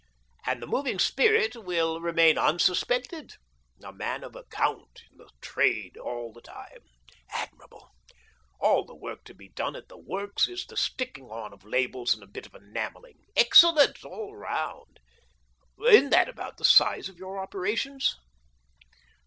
And the moving spirit will remain unsuspected, a man of 190 THE DOBBINGTON DEED BOX account in the trade all the time ! Admirable ! All the work to be done at the * works ' is the sticking on of labels and a bit of enamelling. Excellent, all round ! Isn't that about the size of your operations